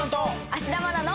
芦田愛菜の。